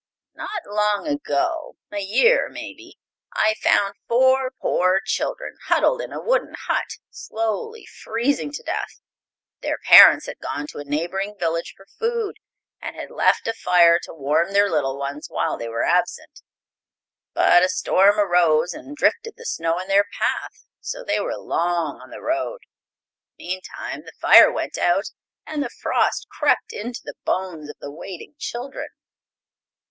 Not long ago a year, maybe I found four poor children huddled in a wooden hut, slowly freezing to death. Their parents had gone to a neighboring village for food, and had left a fire to warm their little ones while they were absent. But a storm arose and drifted the snow in their path, so they were long on the road. Meantime the fire went out and the frost crept into the bones of the waiting children."